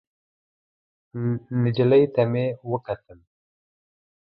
نجلۍ ته مې وکتل.